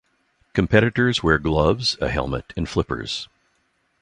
Competitors wear gloves, a helmet, and flippers.